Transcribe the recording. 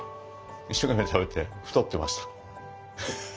一生懸命食べて太ってました。